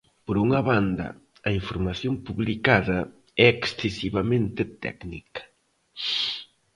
Por unha banda, a información publicada é excesivamente técnica.